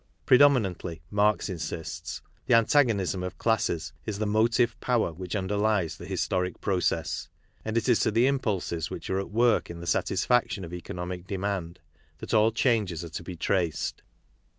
Predominantly, Marx insists, the antagonism of classes is the motive power which underlies the historic process ; and it is to the impulses which are at work in the satis faction of economic demand that all changes are to be traced.